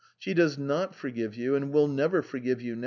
She does not forgive you and will never forgive you.